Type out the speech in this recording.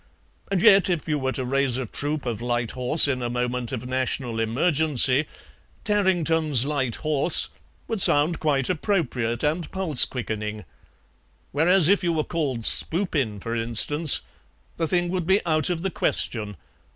And yet if you were to raise a troop of light horse in a moment of national emergency, 'Tarrington's Light Horse' would sound quite appropriate and pulse quickening; whereas if you were called Spoopin, for instance, the thing would be out of the question.